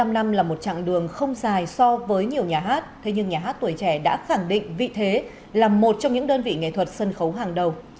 bảy mươi năm năm là một chặng đường không dài so với nhiều nhà hát thế nhưng nhà hát tuổi trẻ đã khẳng định vị thế là một trong những đơn vị nghệ thuật sân khấu hàng đầu